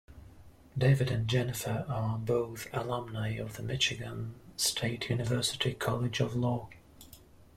David and Jennifer are both alumni of the Michigan State University College of Law.